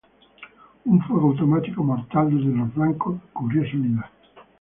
Un fuego automático mortal desde los flancos cubrió su unidad.